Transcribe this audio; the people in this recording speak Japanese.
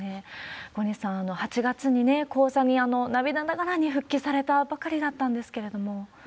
小西さん、８月に高座に涙ながらに復帰されたばかりだったんですけれども。